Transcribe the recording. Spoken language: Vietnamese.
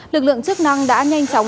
lực lượng chức năng đã nhanh chóng